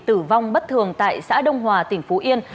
tử vong bất thường tại xã đông hòa tỉnh phú yên